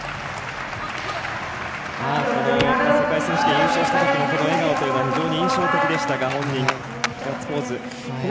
世界選手権優勝したときの笑顔というのは非常に印象的でしたが、本人ガッツポーズ。